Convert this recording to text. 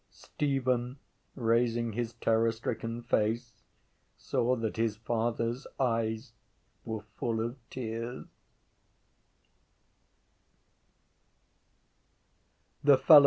Stephen, raising his terrorstricken face, saw that his father’s eyes were full of tears.